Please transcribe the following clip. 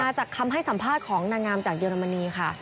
จากคำให้สัมภาษณ์ของนางงามจากเยอรมนีค่ะ